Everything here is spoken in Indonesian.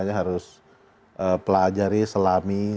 kita harus pelajari selami